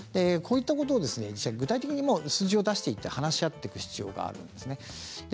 こういったことを具体的に数字を出していって話し合っていく必要があるんですね。